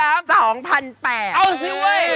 เอาสิเว้ย